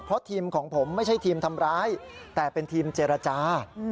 เพราะทีมของผมไม่ใช่ทีมทำร้ายแต่เป็นทีมเจรจา